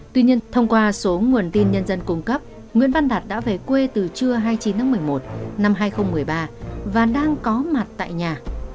tuy nhiên thông qua số nguồn tin nhân dân cung cấp nguyễn văn đạt đã về quê từ trưa hai mươi chín tháng một mươi một năm hai nghìn một mươi ba và đang có mặt tại nhà